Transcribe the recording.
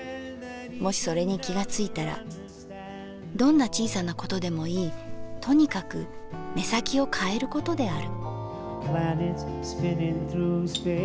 もしそれに気がついたらどんな小さなことでもいいとにかく目先きをかえることである」。